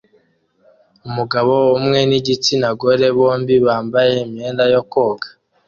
Umugabo umwe nigitsina gore (bombi bambaye imyenda yo koga